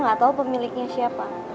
tapi saya gak tau pemiliknya siapa